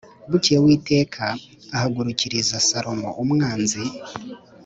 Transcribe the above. Bukeye uwiteka ahagurukiriza salomo umwanzi